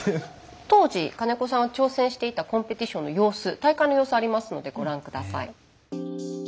当時金子さんが挑戦していたコンペティションの様子大会の様子ありますのでご覧下さい。